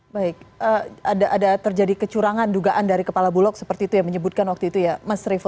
baik ada terjadi kecurangan dugaan dari kepala bulog seperti itu yang menyebutkan waktu itu ya mas revo